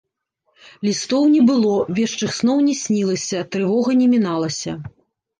Лістоў не было, вешчых сноў не снілася, трывога не міналася.